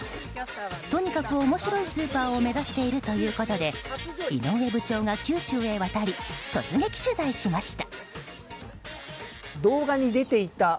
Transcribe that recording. とにかく面白いスーパーを目指しているということで井上部長が九州に渡り突撃取材しました。